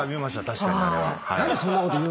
確かに。